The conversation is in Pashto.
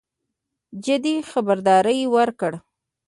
جدي خبرداری ورکړ.